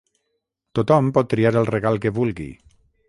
Tothom pot triar el regal que vulgui.